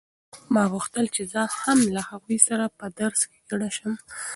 ما غوښتل چې زه هم له هغوی سره په درس کې ګډه شم.